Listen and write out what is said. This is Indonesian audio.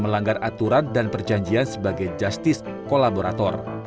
melanggar aturan dan perjanjian sebagai justice kolaborator